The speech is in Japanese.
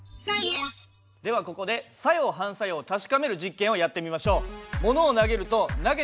ではここで作用・反作用を確かめる実験をやってみましょう。